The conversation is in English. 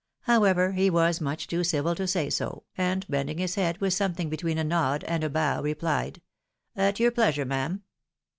However, he was much too civil to say so, and bending his head with some thing between a nod and a bow, replied, " At your pleasure, ma'am."